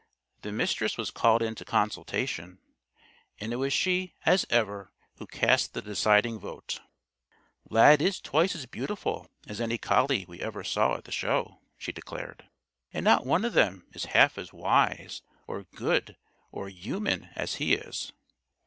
The Mistress was called into consultation. And it was she, as ever, who cast the deciding vote. "Lad is twice as beautiful as any collie we ever saw at the Show," she declared, "and not one of them is half as wise or good or human as he is.